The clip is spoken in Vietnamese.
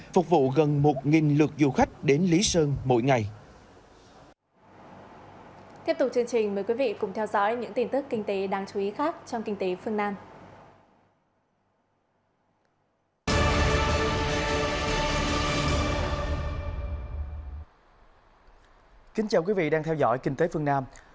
phục vụ gần một lượt du khách đến lý sơn